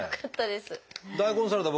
大根サラダ